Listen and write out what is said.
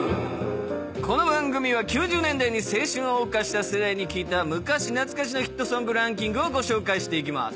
この番組は９０年代に青春を謳歌した世代に聞いた昔懐かしのヒットソングランキングをご紹介していきます。